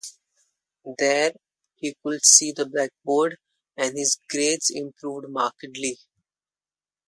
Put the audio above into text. There, he could see the blackboard and his "grades improved markedly".